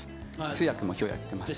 通訳もきょうやってます。